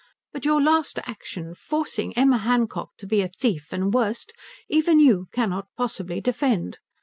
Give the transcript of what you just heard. But your last action, forcing Emma Hancock to be a thief and worse, even you cannot possibly defend.